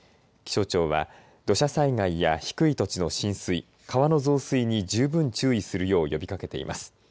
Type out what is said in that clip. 気象庁は土砂災害や低い土地の浸水川の増水に十分注意するよう呼びかけています。